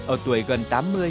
ở tuổi gần tám mươi